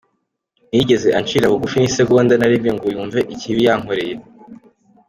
ntiyigeze ancira bugufi n’isegonda narimwe ngo yumve ikibi yankoreye.